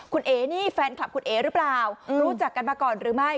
คุณเอ๋นี่แฟนคลับคุณเอ๋หรือเปล่ารู้จักกันมาก่อนหรือไม่